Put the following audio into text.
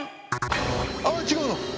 あっ違うの？